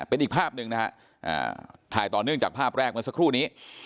เป็นอีกภาพหนึ่งนะฮะถ่ายต่อเนื่องจากภาพแรกเมื่อสักครู่นี้